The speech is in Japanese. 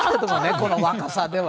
この若さでは。